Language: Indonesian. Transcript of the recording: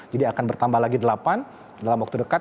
jadi akan bertambah lagi delapan dalam waktu dekat